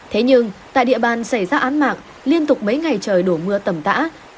thế nhưng tại địa bàn xảy ra án mạc liên tục mấy ngày trời đổ mưa tầm tã